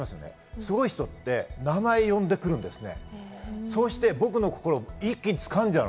すごい人って名前を呼んでくるですよね。